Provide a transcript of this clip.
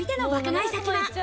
買い先は。